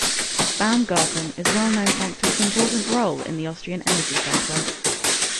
Baumgarten is well known thanks to its important role in the Austrian energy sector.